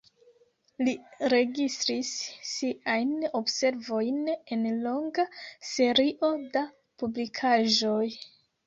Li registris siajn observojn en longa serio da publikaĵoj.